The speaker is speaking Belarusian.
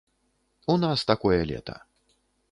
У нас такое лета.